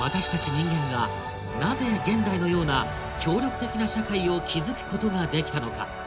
人間がなぜ現代のような「協力的な社会」を築くことができたのか？